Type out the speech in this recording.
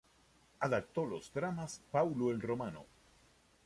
Adaptó los dramas "Paulo el Romano.